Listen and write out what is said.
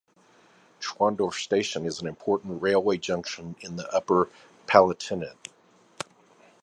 Schwandorf station is an important railway junction in the Upper Palatinate.